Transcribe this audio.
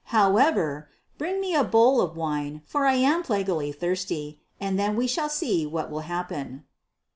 However, bring me a bowl of wine, for I am plaguily thirsty, and then we shall see what will happen."